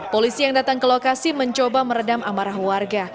polisi yang datang ke lokasi mencoba meredam amarah warga